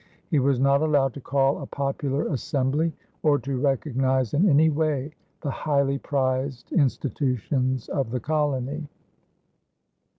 He was not allowed to call a popular assembly or to recognize in any way the highly prized institutions of the colony.